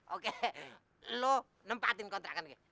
oke lo nempatin kontrakan